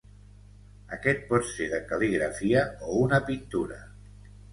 Aquest pot ser de cal·ligrafia o una pintura.